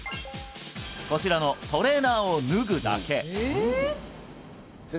こちらのトレーナーを脱ぐだけ先生